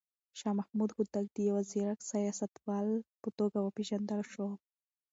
شاه محمود هوتک د يو ځيرک سياستوال په توګه وپېژندل شو.